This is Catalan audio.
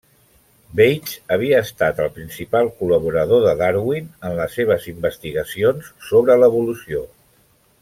Bates havia estat el principal col·laborador de Darwin en les seves investigacions sobre l'evolució.